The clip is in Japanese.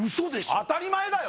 当たり前だよ